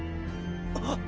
あっ！